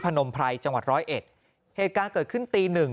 นมไพรจังหวัดร้อยเอ็ดเหตุการณ์เกิดขึ้นตีหนึ่ง